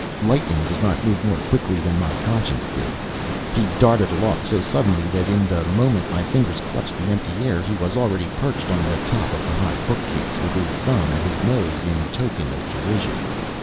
Lightning does not move more quickly than my Conscience did! He darted aloft so suddenly that in the moment my fingers clutched the empty air he was already perched on the top of the high bookcase, with his thumb at his nose in token of derision.